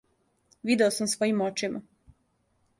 Видео сам својим очима.